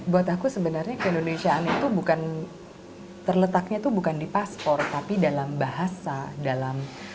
buat aku sebenarnya ke indonesiaan itu terletaknya bukan di paspor tapi dalam bahasa